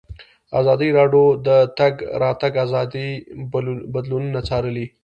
ازادي راډیو د د تګ راتګ ازادي بدلونونه څارلي.